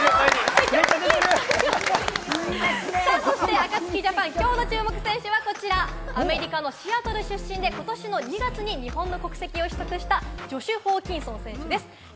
ＡＫＡＴＳＵＫＩＪＡＰＡＮ、きょうの注目選手はこちら、アメリカのシアトル出身で、ことし２月に日本の国籍を取得したジョシュ・ホーキンソン選手です。